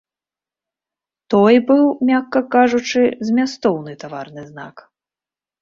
Тое быў, мякка кажучы, змястоўны таварны знак.